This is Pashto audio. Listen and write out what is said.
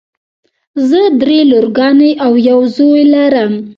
زه دری لورګانې او یو زوی لرم.